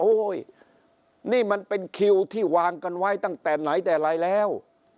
นี่มันเป็นคิวที่วางกันไว้ตั้งแต่ไหนแต่ไรแล้ว